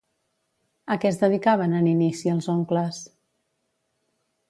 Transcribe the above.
A què es dedicaven en inici els oncles?